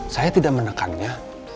saya tidak menekannya